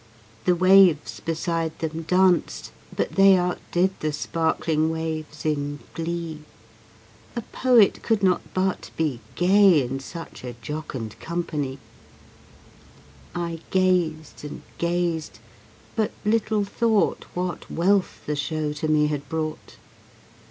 The waves beside them danced, but they Outdid the sparkling waves in glee: A poet could not but be gay In such a jocund company; I gazed and gazed but little thought What wealth the show to me had brought.